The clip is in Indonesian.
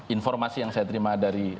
informasi yang saya terima dari